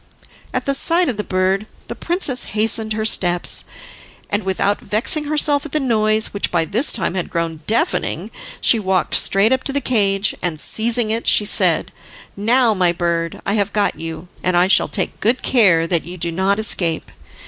At the sight of the bird, the princess hastened her steps, and without vexing herself at the noise which by this time had grown deafening, she walked straight up to the cage, and seizing it, she said: "Now, my bird, I have got you, and I shall take good care that you do not escape."